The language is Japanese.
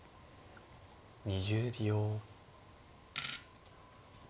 ２０秒。